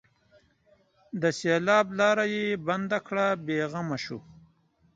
د سېلاب لاره یې بنده کړه؛ بې غمه شو.